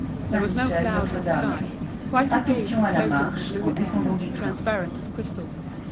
There was not a cloud in the sky; quite a gaiety floated in the blue air, transparent as crystal.